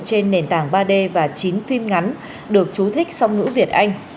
trên nền tảng ba d và chín phim ngắn được chú thích song ngữ việt anh